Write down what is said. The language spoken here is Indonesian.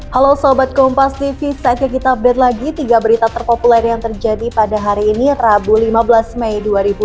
halo sobat kompas tv saatnya kita update lagi tiga berita terpopuler yang terjadi pada hari ini rabu lima belas mei dua ribu dua puluh